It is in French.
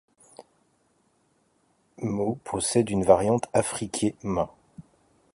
ጠ possède une variante affriquée, ጨ.